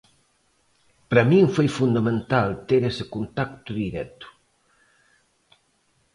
Para min foi fundamental ter ese contacto directo.